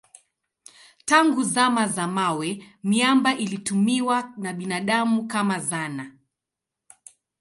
Tangu zama za mawe miamba ilitumiwa na binadamu kama zana.